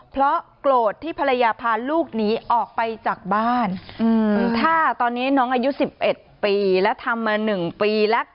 เพราะโกรธที่ภรรยาพาลูกหนีออกไปจากบ้านถ้าตอนนี้น้องอายุ๑๑ปีแล้วทำมา๑ปีแล้ว